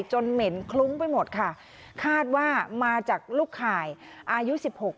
เหม็นคลุ้งไปหมดค่ะคาดว่ามาจากลูกข่ายอายุสิบหก